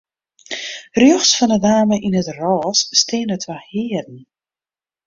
Rjochts fan 'e dame yn it rôs steane twa hearen.